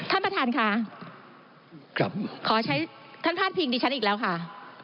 ท่านประธานค่ะครับขอใช้ท่านพาดพิงดิฉันอีกแล้วค่ะ